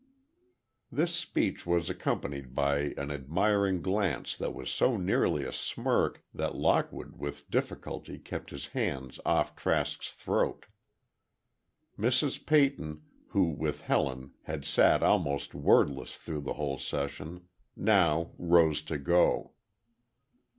This speech was accompanied by an admiring glance that was so nearly a smirk that Lockwood with difficulty kept his hands off Trask's throat. Mrs. Peyton, who with Helen had sat almost wordless through the whole session, now rose to go.